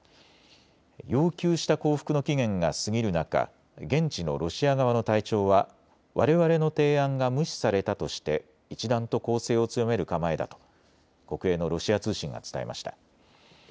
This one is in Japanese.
要求した降伏の期限が過ぎる中、現地のロシア側の隊長はわれわれの提案が無視されたとして一段と攻勢を強める構えだと国営のロシア通信が伝えました。